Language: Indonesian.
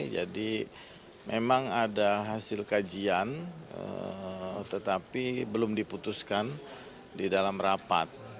jadi memang ada hasil kajian tetapi belum diputuskan di dalam rapat